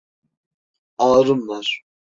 Ağrım var.